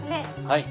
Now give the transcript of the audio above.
はい。